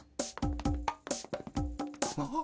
あっ。